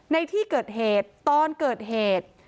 ในที่เกิดเหตุตอนเกิดเหตุ